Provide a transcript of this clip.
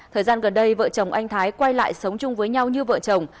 thời gian gần đây vợ chồng anh thái quay lại sống chung với nhau như vợ chồng